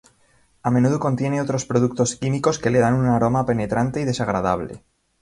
A menudo contiene otros productos químicos que le dan un aroma penetrante y desagradable.